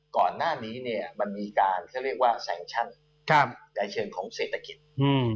ก่อนหน้านี้เนี่ยมันมีการเขาเรียกว่าแสงชั่นครับในเชิงของเศรษฐกิจอืม